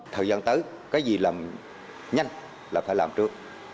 thời gian tới cái gì làm nhanh là phải làm trước